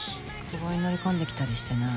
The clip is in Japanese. ここに乗り込んできたりしてな。